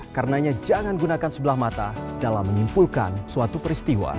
karenanya jangan gunakan sebelah mata dalam menyimpulkan suatu peristiwa